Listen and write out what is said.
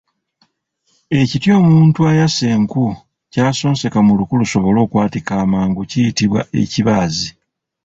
Ekiti omuntu ayasa enku ky’asonseka mu luku lusobole okwatika amangu kiyitibwa Ekibaazi.